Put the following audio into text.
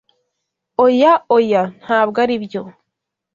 Oya, oya! Ntabwo aribyo.